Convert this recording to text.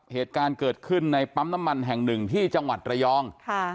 เหตุการณ์เกิดขึ้นในปั๊มน้ำมันแห่งหนึ่งที่จังหวัดระยอง